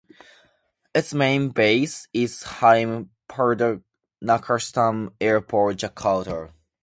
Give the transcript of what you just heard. Its main base is Halim Perdanakusuma Airport, Jakarta.